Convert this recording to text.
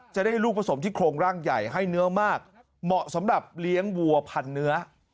จะได้ลูกผสมที่โครงร่างใหญ่ให้เนื้อมากเหมาะสำหรับเลี้ยงวัวพันเนื้อ